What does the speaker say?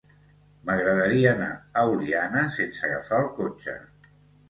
M'agradaria anar a Oliana sense agafar el cotxe.